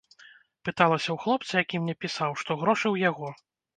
Пыталася ў хлопца, які мне пісаў, што грошы ў яго.